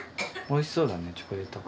おいしそうって。